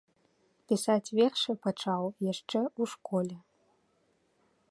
Пісаць вершы пачаў яшчэ ў школе.